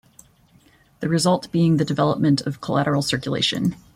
The result being the development of collateral circulation.